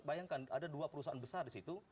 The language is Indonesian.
bayangkan ada dua perusahaan besar di situ